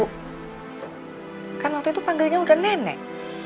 kan waktu itu panggilnya udah nenek